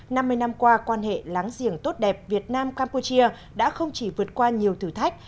năm mươi năm qua quan hệ láng giềng tốt đẹp việt nam campuchia đã không chỉ vượt qua nhiều thử thách